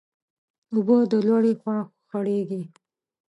اوبه د لوړي خوا خړېږي.